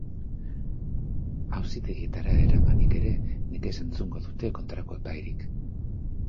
Auzitegietara eramanik ere, nekez entzungo dute kontrako epairik.